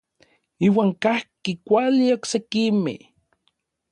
Iuan kajki kuali oksekimej.